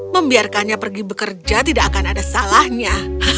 membiarkannya pergi bekerja tidak akan ada salahnya